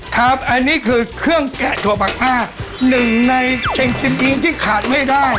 ครับอันนี้คือเครื่องแกะถั่วผักผ้าหนึ่งในเชงซิมอีที่ขาดไม่ได้